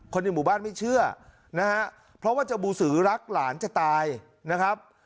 ในหมู่บ้านไม่เชื่อนะฮะเพราะว่าเจ้าบูสือรักหลานจะตายนะครับ